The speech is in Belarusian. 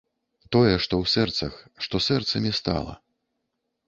Тое, што ў сэрцах, што сэрцамі стала.